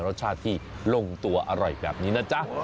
รสชาติที่ลงตัวอร่อยแบบนี้นะจ๊ะ